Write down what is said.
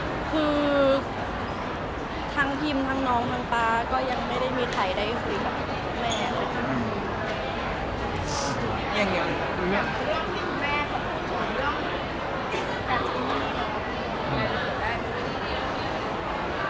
ก็คือทั้งพิมพ์ทั้งน้องน้องป้าก็ยังไม่ได้มีใครได้คุยกับแม่คือแม่กว่า